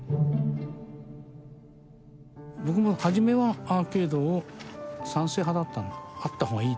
僕も初めはアーケードを賛成派だったんだあった方がいい。